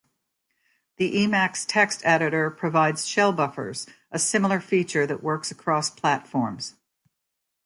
The Emacs text editor provides shell buffers, a similar feature that works across platforms.